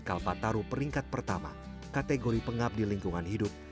kalpataru peringkat pertama kategori pengabdi lingkungan hidup